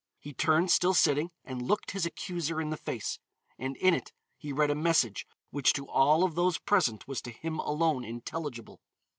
He turned, still sitting, and looked his accuser in the face, and in it he read a message which to all of those present was to him alone intelligible.